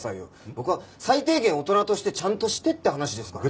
僕は最低限大人としてちゃんとしてって話ですからね。